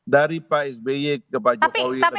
dari pak sbi ke pak jokowi lebih baik